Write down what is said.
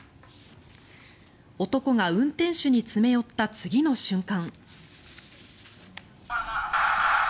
男が運転手に詰め寄った次の瞬間。